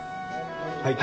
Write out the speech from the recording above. はい。